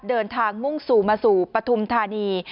เดินทางมุ่งสู่มาสู่ปฐุมธานี